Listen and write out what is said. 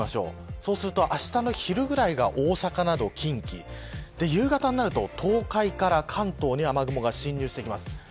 そうすると、あしたの昼ぐらいが大阪など近畿夕方になると東海から関東に雨雲が進入してきます。